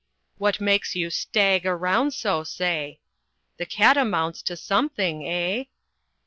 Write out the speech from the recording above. "What makes you stag around so, say? The catamounts to something, hey?"